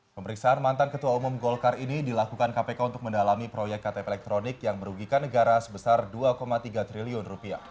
pemeriksaan mantan ketua umum golkar ini dilakukan kpk untuk mendalami proyek ktp elektronik yang merugikan negara sebesar rp dua tiga triliun